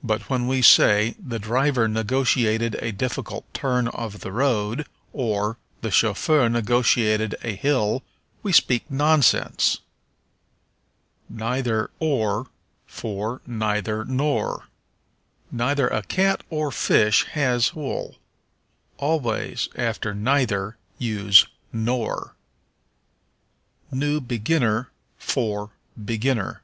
But when we say, "The driver negotiated a difficult turn of the road," or, "The chauffeur negotiated a hill," we speak nonsense. Neither or for Neither nor. "Neither a cat or fish has wool." Always after neither use nor. New Beginner for Beginner.